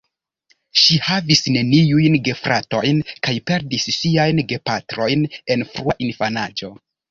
Ŝi havis neniujn gefratojn kaj perdis siajn gepatrojn en frua infanaĝo.